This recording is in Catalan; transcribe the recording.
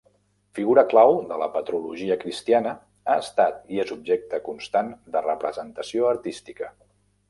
Figura clau de la patrologia cristiana ha estat i és objecte constant de representació artística.